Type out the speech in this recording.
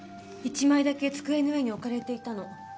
１枚だけ机の上に置かれていたの。